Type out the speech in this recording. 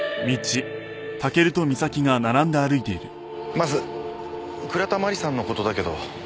まず倉田真理さんの事だけど。